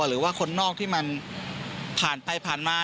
หรือว่าคนนอกที่มันผ่านไปผ่านมา